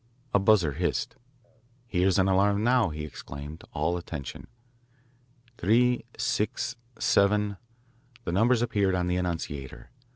A buzzer hissed. "Here's an alarm now," he exclaimed, all attention. "Three," "six," "seven," the numbers appeared on the annunciator.